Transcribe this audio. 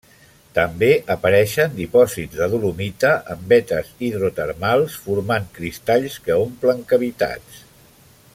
També apareixen dipòsits de dolomita en vetes hidrotermals, formant cristalls que omplen cavitats.